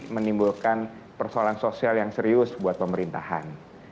menimbulkan persoalan sosial yang serius buat pemerintahan